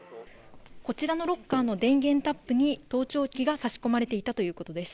こちらのロッカーの電源タップに盗聴器が差し込まれていたということです。